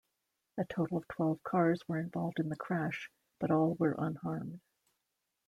A total of twelve cars were involved in the crash, but all were unharmed.